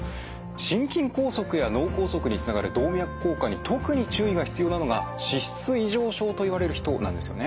心筋梗塞や脳梗塞につながる動脈硬化に特に注意が必要なのが脂質異常症といわれる人なんですよね。